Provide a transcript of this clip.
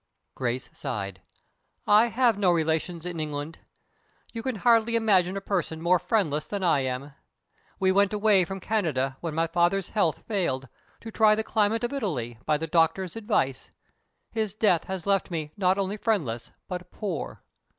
Grace sighed. "I have no relatives in England. You can hardly imagine a person more friendless than I am. We went away from Canada, when my father's health failed, to try the climate of Italy, by the doctor's advice. His death has left me not only friendless but poor."